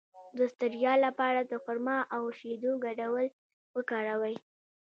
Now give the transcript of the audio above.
د ستړیا لپاره د خرما او شیدو ګډول وکاروئ